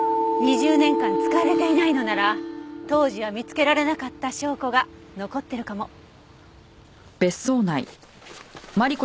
２０年間使われていないのなら当時は見つけられなかった証拠が残ってるかも。